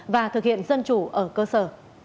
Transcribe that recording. và thực hiện dân chủ ở cơ sở